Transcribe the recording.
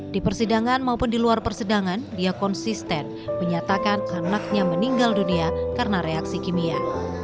di persidangan maupun di luar persidangan dia konsisten menyatakan anaknya meninggal dunia karena reaksi kimia